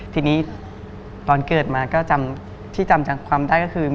ทีนี้ตอนเกิดมาก็จำที่จำความได้ก็คือ